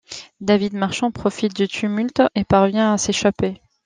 David Marchant profite du tumulte et parvient à s’échapper.